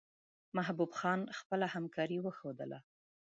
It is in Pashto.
محبوب خان خپله همکاري وښودله.